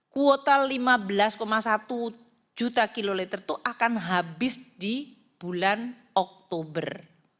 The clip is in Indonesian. kuota lima belas satu juta kiloliter itu akan habis di bulan oktober